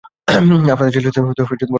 আপনাদের ছেলের সাথে কখনো আলাপ হয় নি।